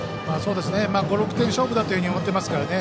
５６点勝負だと思っていますからね。